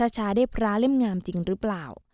ชาได้พระเล่มงามจริงหรือเปล่า